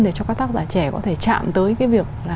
để cho các tác giả trẻ có thể chạm tới cái việc là